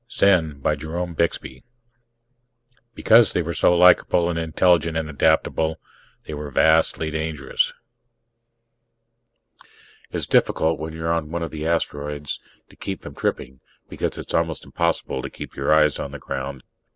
net ZEN By JEROME BIXBY Because they were so likable and intelligent and adaptable they were vastly dangerous! [Illustration: Illustrated by ASHMAN] It's difficult, when you're on one of the asteroids, to keep from tripping, because it's almost impossible to keep your eyes on the ground.